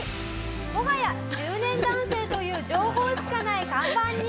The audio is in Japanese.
もはや「中年男性」という情報しかない看板に。